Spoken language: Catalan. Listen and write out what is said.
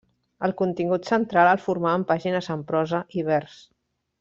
El contingut central el formaven pàgines en prosa i vers.